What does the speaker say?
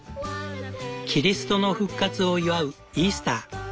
キリストの復活を祝うイースター。